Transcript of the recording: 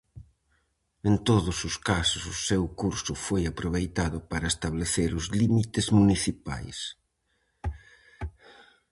En todos os casos o seu curso foi aproveitado para establecer os límites municipais.